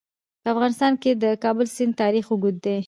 په افغانستان کې د د کابل سیند تاریخ اوږد دی.